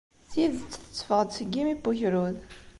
Tidet tetteffeɣ-d seg yimi n ugrud.